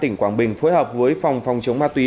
tỉnh quảng bình phối hợp với phòng phòng chống ma túy